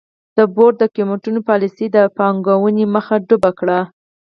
د بورډ د قېمتونو پالیسۍ د پانګونې مخه ډپ کړه.